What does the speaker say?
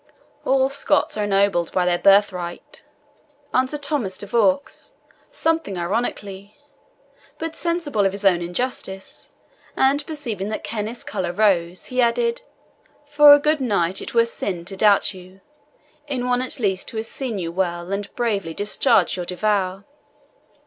"All Scots are ennobled by their birthright," answered Thomas de Vaux, something ironically; but sensible of his own injustice, and perceiving that Kenneth's colour rose, he added, "For a good knight it were sin to doubt you, in one at least who has seen you well and bravely discharge your devoir."